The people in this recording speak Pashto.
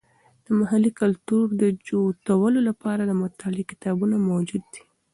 د محلي کلتور د جوتولو لپاره د مطالعې کتابونه موجود دي.